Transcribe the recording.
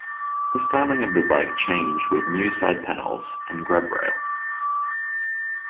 The styling of the bike changed with new side panels and grab rail.